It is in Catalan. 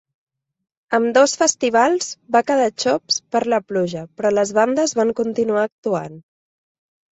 Ambdós festivals va quedar xops per la pluja, però les bandes van continuar actuant.